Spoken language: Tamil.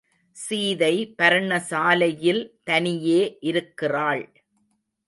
சீதை பர்ணசாலையில் தனியே இருக்கிறாள்.